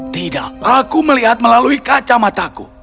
tidak aku melihat melalui kacamataku